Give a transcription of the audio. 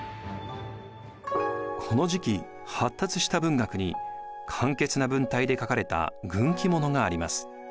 この時期発達した文学に簡潔な文体で書かれた軍記物があります。